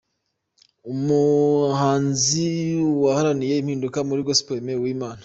Umuhanzi waharaniye impinduka muri Gospel: Aime Uwimana .